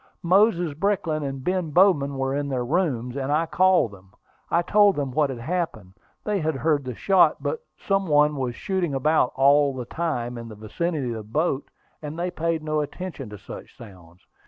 Moses Brickland and Ben Bowman were in their rooms, and I called them. I told them what had happened. They had heard the shot; but some one was shooting about all the time in the vicinity of the boat, and they paid no attention to such sounds.